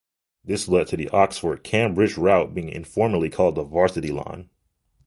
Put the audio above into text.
This led to the Oxford - Cambridge route being informally called the Varsity line.